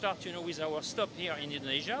yang mulai dari berhenti di indonesia